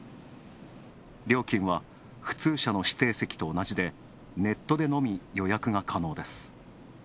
料金は普通車の指定席と同じで、ネットでのみ予約が可能です。